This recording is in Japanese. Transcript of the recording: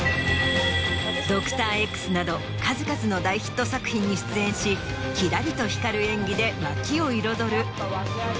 数々の大ヒット作品に出演しキラリと光る演技で脇を彩る。